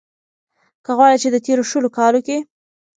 که غواړۍ ،چې د تېرو شلو کالو کې